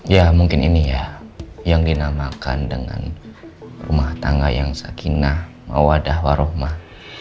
ya mungkin ini ya yang dinamakan dengan rumah tangga yang sakinah mawadah warohmah